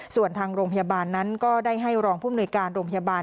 ส่วนทางโรงพยาบาลนั้นก็ได้ให้รองผู้มนุยการโรงพยาบาล